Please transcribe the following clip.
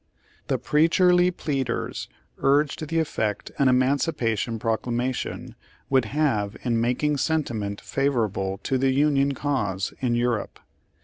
The preacherly pleaders urged the effect an emancipation proclamation would have in mak ing sentiment favorable to the Union cause in Europe.